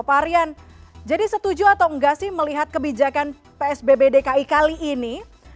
pak aryan jadi setuju atau enggak sih melihat kebijakan psbb dki kali ini